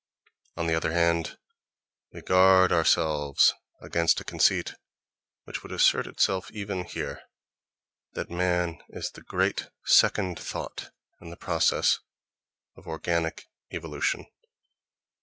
On the other hand, we guard ourselves against a conceit which would assert itself even here: that man is the great second thought in the process of organic evolution.